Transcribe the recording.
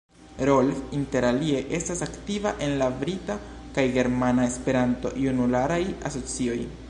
Rolf interalie estas aktiva en la brita kaj germana Esperanto-junularaj asocioj.